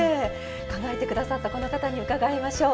考えて下さったこの方に伺いましょう。